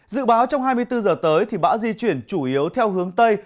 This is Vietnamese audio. dự báo trong hai mươi bốn giờ tới thì bão di chuyển chủ yếu theo hướng tây